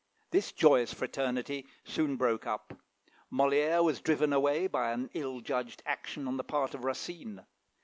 This joyous fraternity soon broke up. Molière was driven away by an ill judged action on the part of Racine.